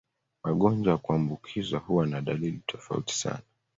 Magonjwa ya kuambukizwa huwa na dalili tofauti sana.